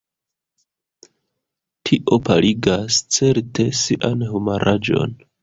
Tio paligas, certe, sian humuraĵon.